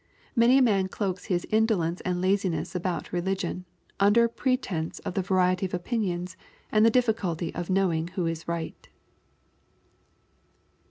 Many a man cloaks his indolence and laziness about religion, under a pretence of the variety of opinions, and the difficulty of knowing who is right.